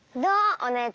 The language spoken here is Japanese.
お姉ちゃん。